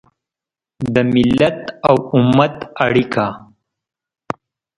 د ملت او امت اړیکه